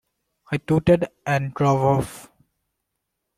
I tooted and drove off.